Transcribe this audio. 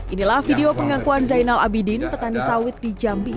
inilah video pengakuan zainal abidin petani sawit di jambi